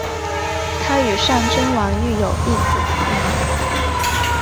她与尚贞王育有一子四女。